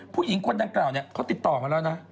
ผู้หญิงคนดังกล่าวเนี่ยเขาติดต่อมาแล้วนะ